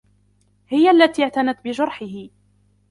هي التي اعتنت بجرحه